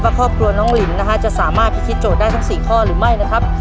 ว่าครอบครัวน้องหลินนะครับจะสามารถพิคิดโจทย์ได้ทั้งสี่ข้อหรือไม่นะครับ